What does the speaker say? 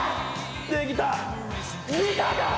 できた見たか！